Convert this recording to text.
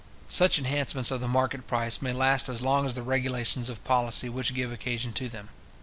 Such enhancements of the market price may last as long as the regulations of policy which give occasion to them.